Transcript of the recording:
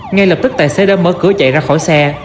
ngay lập tức tài xế đã mở cửa chạy ra khỏi xe